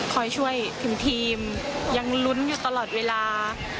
คอยช่วยถึงทีมยังลุ้นอยู่ตลอดเวลา